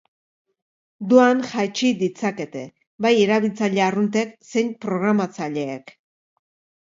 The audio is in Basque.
Doan jaitsi ditzakete, bai erabiltzaile arruntek zein programatzaileek.